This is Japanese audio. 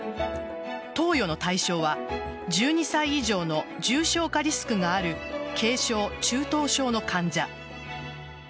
投与の対象は１２歳以上の重症化リスクがある軽症・中等症の患者。